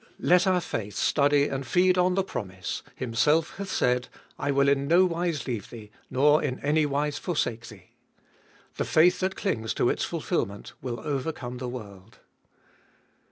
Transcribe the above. Let our faith study and feed on the promise: Himself hath said, I will in no wise leave thee, nor in any wise forsake thee. The faith that clings to its fulfilment will overcome the world.